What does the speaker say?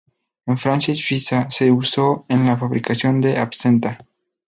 En Francia y Suiza se usó en la fabricación de absenta.